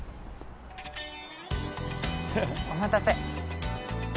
お待たせ。